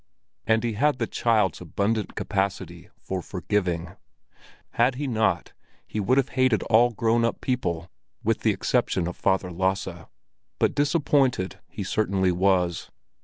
And he had the child's abundant capacity for forgiving; had he not he would have hated all grown up people with the exception of Father Lasse. But disappointed he certainly was.